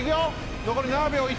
残り７秒１。